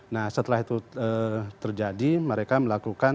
nah setelah itu terjadi mereka melakukan